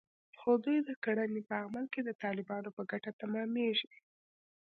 خو د دوی کړنې په عمل کې د طالبانو په ګټه تمامېږي